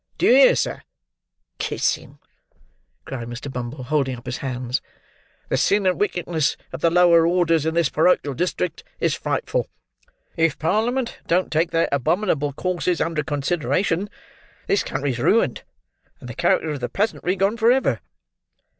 Do you hear sir? Kissing!" cried Mr. Bumble, holding up his hands. "The sin and wickedness of the lower orders in this porochial district is frightful! If Parliament don't take their abominable courses under consideration, this country's ruined, and the character of the peasantry gone for ever!"